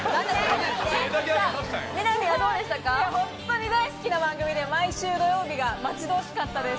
本当に大好きな番組で、毎週土曜日が待ち遠しかったです。